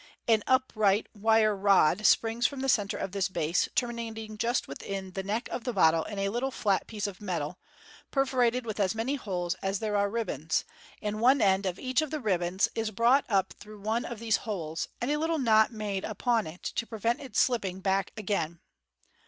An upright wire rod springs from the centre of this base, terminating just within the neck of the bottle in a little flat piece of metal, perforated with as many holes as there are ribbons ; and one end of each of the ribbons is brought up through one of these holes, and a little knot made upon it to prevent Its slipping back again.